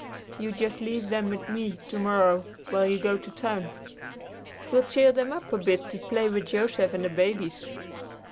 You just leave them with me to morrow while you go to town. 'Twill cheer them up a bit to play with Joseph and the babies."